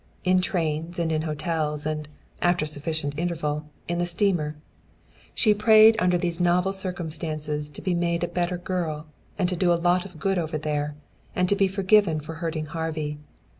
In trains and in hotels and, after sufficient interval, in the steamer. She prayed under these novel circumstances to be made a better girl, and to do a lot of good over there, and to be forgiven for hurting Harvey.